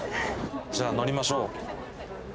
じゃあ、乗りましょう。